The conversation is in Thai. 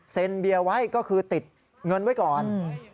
เบียร์ไว้ก็คือติดเงินไว้ก่อน